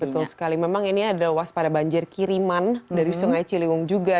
betul sekali memang ini ada waspada banjir kiriman dari sungai ciliwung juga